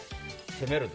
攻めるぞ！